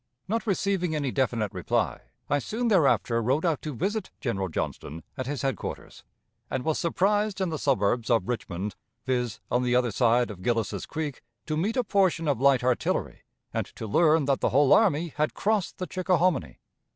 Not receiving any definite reply, I soon thereafter rode out to visit General Johnston at his headquarters, and was surprised in the suburbs of Richmond, viz., on the other side of Gillis's Creek, to meet a portion of light artillery, and to learn that the whole army had crossed the Chickahominy.